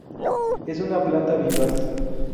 Es una planta vivaz.